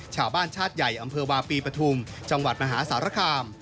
ชาวบ้านชาติใหญ่อำเภอวาปีปฐุมจังหวัดมหาสารคาม